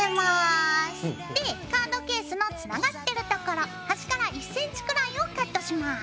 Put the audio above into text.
でカードケースのつながってるところ端から１ｃｍくらいをカットします。